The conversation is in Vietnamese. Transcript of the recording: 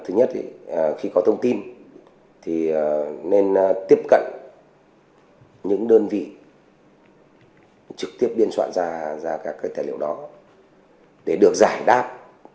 thứ nhất thì khi có thông tin thì nên tiếp cận những đơn vị trực tiếp biên soạn ra ra các cái tài liệu đó để được giải đáp